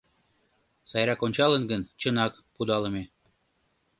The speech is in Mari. Сайрак ончалын гын, чынак, пудалыме.